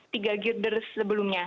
tiga gilder sebelumnya